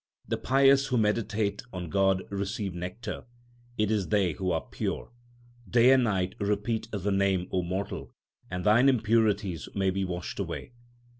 The pious who meditate on God receive nectar ; it is they who are pure. Day and night repeat the Name, mortal, that thine impurities may be washed away.